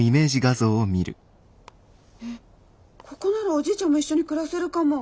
ここならおじいちゃんも一緒に暮らせるかも。